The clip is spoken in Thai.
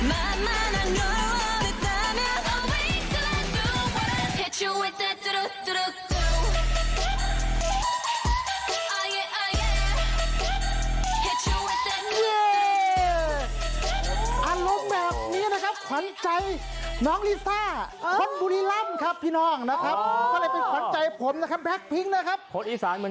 อันโลกแบบนี้นะครับขวัญใจน้องลิซ่าคนบุรีล่ำครับพี่น้องนะครับก็เลยเป็นขวัญใจผมนะครับแพลกพิ้งนะครับ